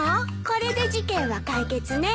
これで事件は解決ね。